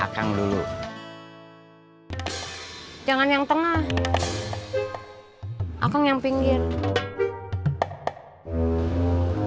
kamu yang tengah aku yang pinggirst